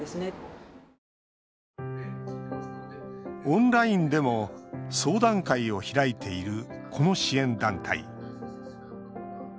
オンラインでも相談会を開いている、この支援団体。